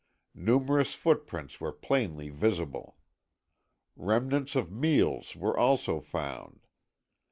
Numerous footprints were plainly visible. Remnants of meals were also found.